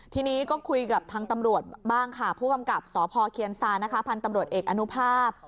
ทีนี้ก็คุยกับทางตำรวจบ้างค่ะผู้กำกับสพเคียนซานะคะพันธุ์ตำรวจเอกอนุภาพ